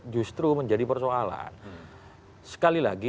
justru menjadi persoalan sekali lagi